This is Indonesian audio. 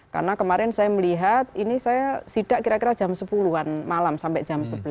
karena kemarin saya melihat ini saya sidak kira kira jam sepuluh an malam sampai jam sebelas